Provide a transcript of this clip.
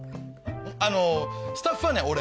あのスタッフはね俺。